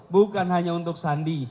bukan hanya untuk sandi